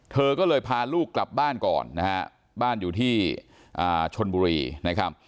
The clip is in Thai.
เธอก็เลยพาลูกกลับบ้านก่อนบ้านอยู่ที่ชนบุรี